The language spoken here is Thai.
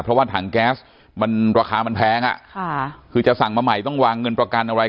เพราะว่าถังแก๊สมันราคามันแพงอ่ะค่ะคือจะสั่งมาใหม่ต้องวางเงินประกันอะไร